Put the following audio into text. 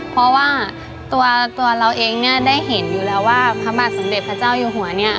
เพราะว่าตัวเราเองเนี่ยได้เห็นอยู่แล้วว่าพระบาทสมเด็จพระเจ้าอยู่หัวเนี่ย